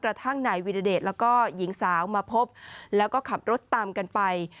กระทั่งนายวิรเดชแล้วก็หญิงสาวมาพบแล้วก็ขับรถตามกันไป